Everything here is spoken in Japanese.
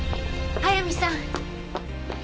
速水さん。